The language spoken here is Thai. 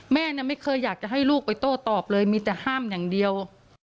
แม่ไม่เคยอยากจะให้ลูกไปโต้ตอบเลยมีแต่ห้ามอย่างเดียว